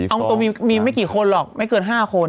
เอาตรงมีไม่กี่คนหรอกไม่เกิน๕คน